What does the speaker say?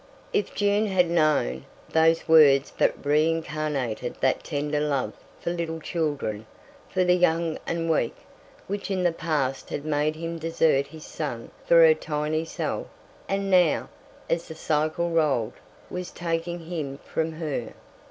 If June had known, those words but reincarnated that tender love for little children, for the young and weak, which in the past had made him desert his son for her tiny self, and now, as the cycle rolled, was taking him from her.